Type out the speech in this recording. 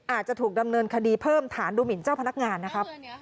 อาจจะถูกดำเนินคดีเพิ่มฐานดูหมินเจ้าพนักงานนะครับ